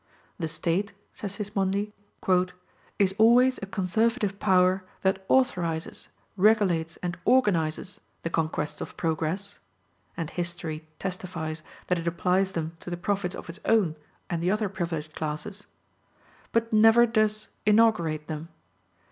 "The State," says Sismondi, "is always a conservative power that authorizes, regulates and organizes the conquests of progress (and history testifies that it applies them to the profit of its own and the other privileged classes) but never does inaugurate them.